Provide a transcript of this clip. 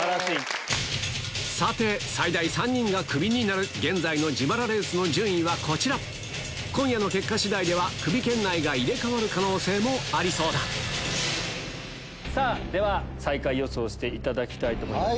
さて最大３人がクビになる現在の自腹レースの順位はこちら今夜の結果次第ではクビ圏内が入れ替わる可能性もありそうだでは最下位予想していただきたいと思います。